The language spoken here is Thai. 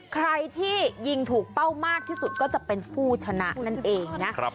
ใครที่ยิงถูกเป้ามากที่สุดก็จะเป็นผู้ชนะนั่นเองนะ